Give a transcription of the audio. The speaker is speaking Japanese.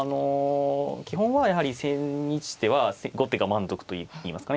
基本はやはり千日手は後手が満足といいますかね。